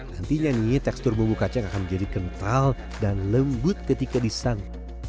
nantinya nih tekstur bumbu kacang akan menjadi kental dan lembut ketika disant